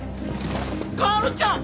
薫ちゃん！